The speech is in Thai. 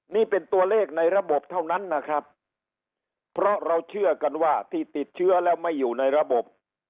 นี่เป็นตัวเลขในระบบเท่านั้นนะครับเพราะเราเชื่อกันว่าที่ติดเชื้อแล้วไม่อยู่ในระบบ